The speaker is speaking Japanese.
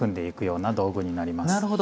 なるほど。